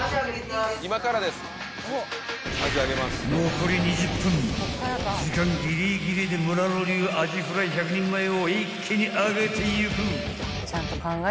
［残り２０分時間ギリギリで村野流アジフライ１００人前を一気に揚げていく］